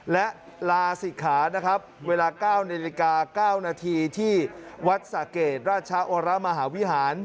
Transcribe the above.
และลาศิกขาเวลา๙นาทีที่วัดสะเกดราชโอระมหาวิหาร